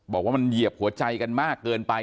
บอกว่ามันเหยียบหัวใจกันมากเกินไป